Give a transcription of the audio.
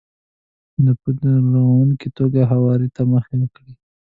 نو په رغونکې توګه هواري ته مخه کړئ.